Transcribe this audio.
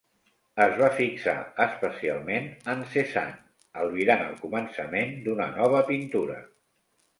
Es va fixar especialment en Cézanne, albirant el començament d'una nova pintura.